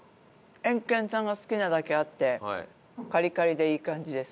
エンケンさんが好きなだけあってカリカリでいい感じです。